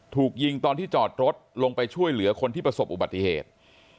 ถูกยิงตอนที่จอดรถลงไปช่วยเหลือคนที่ประสบอุบัติเหตุ